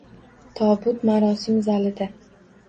Tobut marosim zalida